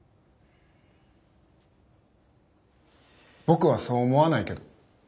僕はそう思わないけど。